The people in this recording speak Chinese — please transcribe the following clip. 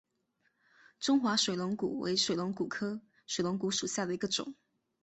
中华水龙骨为水龙骨科水龙骨属下的一个种。